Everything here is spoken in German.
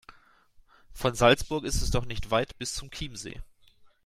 Von Salzburg ist es doch nicht weit bis zum Chiemsee.